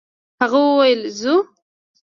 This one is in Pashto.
هغه وويل: «ځو!»